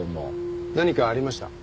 何かありました？